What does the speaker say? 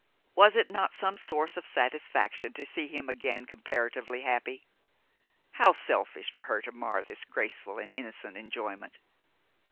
Was it not some source of satisfaction to see him again comparatively happy? How selfish for her to mar this graceful and innocent enjoyment!